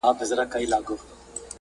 بې دلیله مي د ښمن دی په بازار کي!